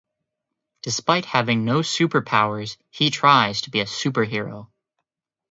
Despite having no superpowers, he tries to be a superhero.